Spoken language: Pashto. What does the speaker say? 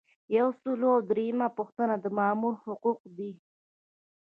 یو سل او دریمه پوښتنه د مامور حقوق دي.